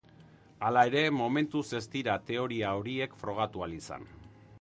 Hala ere, momentuz ez dira teoria horiek frogatu ahal izan.